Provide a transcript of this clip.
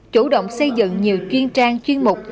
chủ động xây dựng nhiều chuyên trang chuyên mục